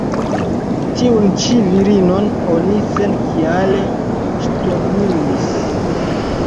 Tiun ĉi virinon oni senkiale ŝtonumis.